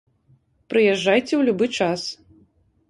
Прыязджайце ў любы час.